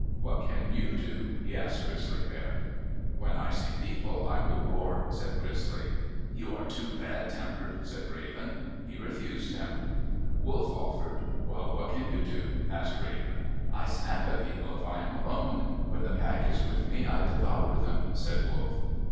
"What can you do?" he asked Grizzly Bear. "When I see people, I will roar," said Grizzly. "You are too bad tempered," said Raven. He refused him. Wolf offered. "What can you do?" asked Raven. "I snap at people if I am alone. When the pack is with me, I devour them," said Wolf.